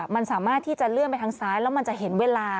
มันสามารถที่จะเลื่อนไปทางซ้ายแล้วมันจะเห็นเวลา